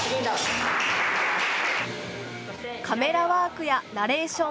カメラワークやナレーション